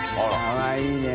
かわいいね。